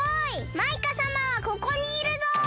マイカさまはここにいるぞ！